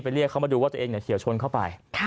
เรียกเขามาดูว่าตัวเองเฉียวชนเข้าไป